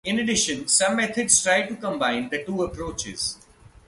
In addition, some methods try to combine the two approaches.